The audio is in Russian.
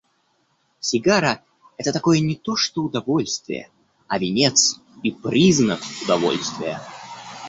Сигара — это такое не то что удовольствие, а венец и признак удовольствия.